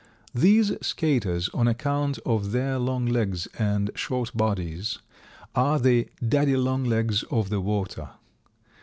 These Skaters, on account of their long legs and short bodies, are the "Daddy long legs" of the water.